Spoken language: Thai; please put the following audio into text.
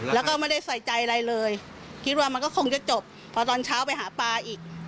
แล้วก็ไม่ได้ใส่ใจอะไรเลยคิดว่ามันก็คงจะจบพอตอนเช้าไปหาปลาอีก